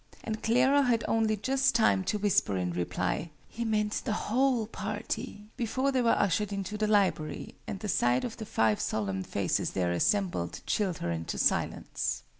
And Clara had only just time to whisper in reply "he meant the whole party," before they were ushered into the library, and the sight of the five solemn faces there assembled chilled her into silence.